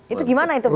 itu gimana itu prof